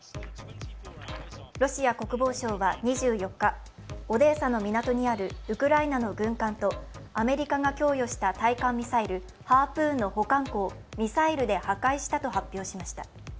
ロシア国防省は２４日、オデーサの港にあるウクライナの軍艦とアメリカが供与した対艦ミサイル、ハープーンの保管庫をミサイルで破壊したと発表しました。